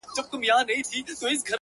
د غزل د زلفو تار کي يې ويده کړم-